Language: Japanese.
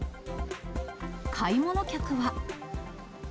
買い物客は。